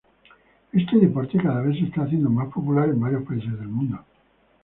Este deporte cada vez se está haciendo más popular en varios países del mundo.